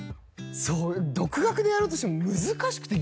独学でやろうとしても難しくて。